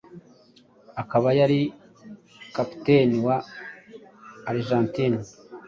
akaba yari kapiteni wa Argentine